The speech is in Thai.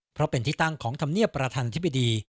เพราะเป็นที่ตั้งของธรรมเนียบประธานธิบดี